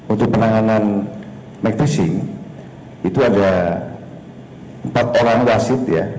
untuk penanganan mektesi itu ada empat orang rasid ya